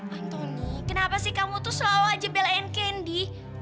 antony kenapa sih kamu tuh selalu aja belain candy